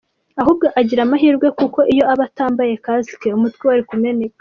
Ahubwo agira amahirwe kuko iyo aba atambaye ‘casque’ umutwe wari kumeneka.